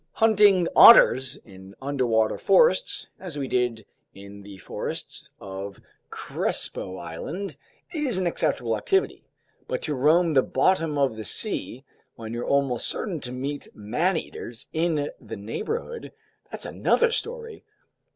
Hunting otters in underwater forests, as we did in the forests of Crespo Island, is an acceptable activity. But to roam the bottom of the sea when you're almost certain to meet man eaters in the neighborhood, that's another story!